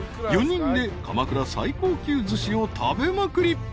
［４人で鎌倉最高級ずしを食べまくり。